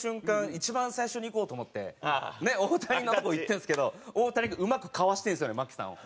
一番最初に行こうと思って大谷のとこ行ってるんですけど大谷がうまくかわしてるんですよね牧さんを。